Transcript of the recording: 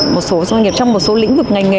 một số doanh nghiệp trong một số lĩnh vực ngành nghề